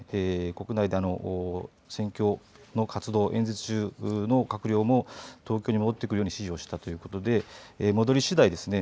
国内で選挙の活動、演説中の閣僚も東京に戻ってくるように指示をしたということで戻りしだいですね